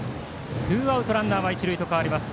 ツーアウトランナー、一塁と変わります。